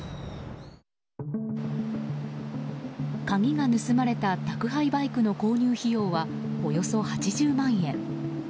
鍵が盗まれた宅配バイクの購入費用はおよそ８０万円。